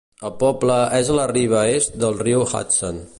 El poble és a la riba est del riu Hudson.